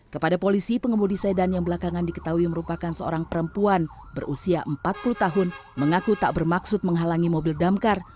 kepada polisi pengemudi sedan yang belakangan diketahui merupakan seorang perempuan berusia empat puluh tahun mengaku tak bermaksud menghalangi mobil damkar